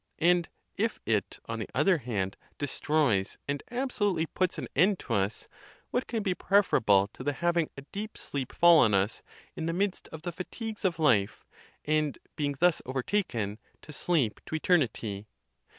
And if it, on the other hand, destroys, and absolutely puts an end to us, what can be preferable to the having a deep sleep fall on us, in the midst of the fatigues of life, and being thus overtaken, to sleep to eternity?